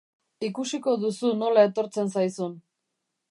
Ikusiko duzu nola etortzen zaizun.